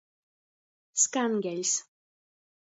Skangeļs.